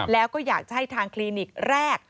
แล้วก็อยากจะให้ทางคลินิกแรก